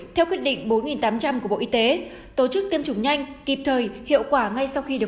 theo quyết định bốn tám trăm linh của bộ y tế tổ chức tiêm chủng nhanh kịp thời hiệu quả ngay sau khi được